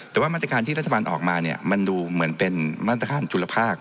แต่ว่ามาตรการที่รัฐบาลออกมาเนี่ยมันดูเหมือนเป็นมาตรการจุลภาค